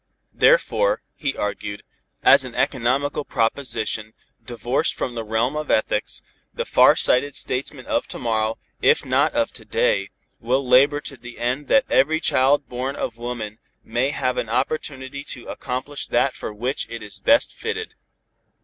Therefore, he argued, as an economical proposition, divorced from the realm of ethics, the far sighted statesmen of to morrow, if not of to day, will labor to the end that every child born of woman may have an opportunity to accomplish that for which it is best fitted.